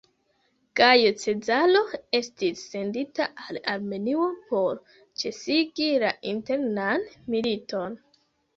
Gajo Cezaro estis sendita al Armenio por ĉesigi la internan militon.